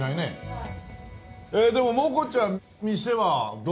はい。